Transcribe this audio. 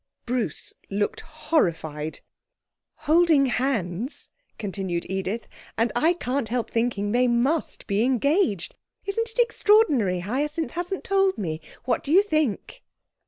Bruce looked horrified. 'Holding hands,' continued Edith; 'and I can't help thinking they must be engaged. Isn't it extraordinary Hyacinth hasn't told me? What do you think?'